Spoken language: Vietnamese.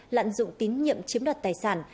lạn dụng tín nhiệm chiếm đoạt tài sản